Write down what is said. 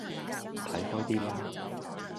睇開啲啦